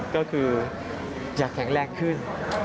ก็คืออยากแข็งแรงขึ้น